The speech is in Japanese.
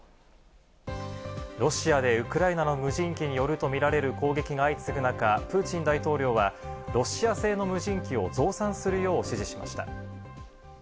ロシアでウクライナの無人機によるとみられる攻撃が相次ぐ中、プーチン大統領はロシア製の無人機を増産するよう指示しました。